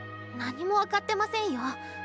何も分かってませんよ。